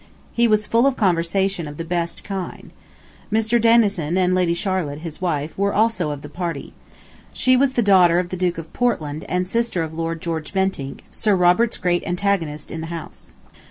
He was full of conversation of the best kind. Mr. Denison and Lady Charlotte, his wife, were also of our party. She was the daughter of the Duke of Portland and sister of Lord George Bentinck, Sir Robert's great antagonist in the House.